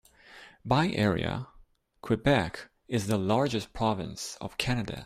By area, Quebec is the largest province of Canada.